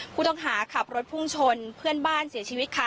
ผู้ต้องหาขับรถพุ่งชนเพื่อนบ้านเสียชีวิตค่ะ